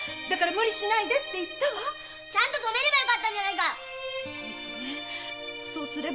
だから無理しないでって言ったわとめればよかったじゃないかそうね